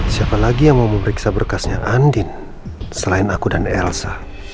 siapa lagi yang mau memeriksa berkasnya andin selain aku dan elsa